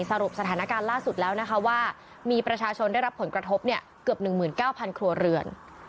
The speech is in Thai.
สรุปสถานการณ์ล่าสุดแล้วนะคะว่ามีประชาชนได้รับผลกระทบเกือบ๑๙๐๐ครัวเรือน